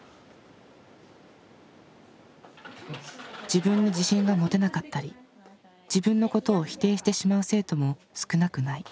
自分に自信が持てなかったり自分のことを否定してしまう生徒も少なくない。